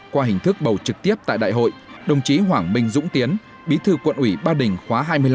qua hình thức bầu trực tiếp tại đại hội đồng chí hoàng minh dũng tiến bí thư quận ủy ba đình khóa hai mươi năm